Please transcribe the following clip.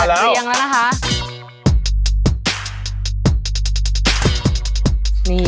มันเป็นอะไร